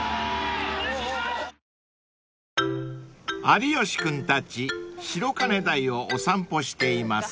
［有吉君たち白金台をお散歩しています］